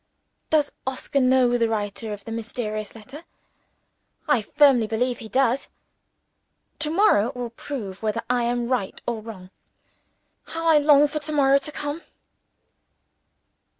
Does Oscar know the writer of the mysterious letter? I firmly believe he does. To morrow will prove whether I am right or wrong. How I long for to morrow to come!